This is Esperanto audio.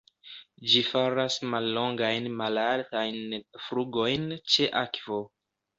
Ĝi faras mallongajn malaltajn flugojn ĉe akvo.